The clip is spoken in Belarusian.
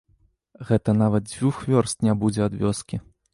Гэта нават дзвюх вёрст не будзе ад вёскі.